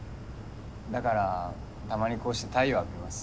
だからたまにこうして太陽浴びます。